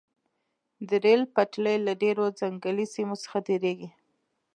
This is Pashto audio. د ریل پټلۍ له ډیرو ځنګلي سیمو څخه تیریږي